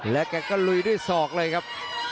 และแกก็ลุยด้วยศอกเลยครับ